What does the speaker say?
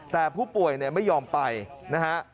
แต่ผู้ป่วยไม่ยอมไปนะฮะ